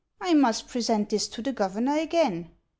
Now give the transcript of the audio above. I must present this to the governor again.